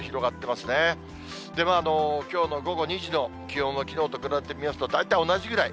きょうの午後２時の気温をきのうと比べてみますと、大体同じぐらい。